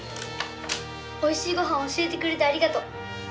おいしいごはん教えてくれてありがとう！